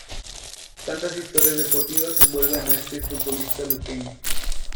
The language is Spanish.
Tantas historias deportivas envuelven a este futbolista luqueño.